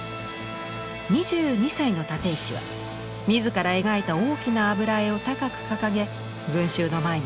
２２歳の立石は自ら描いた大きな油絵を高く掲げ群衆の前に立ちはだかります。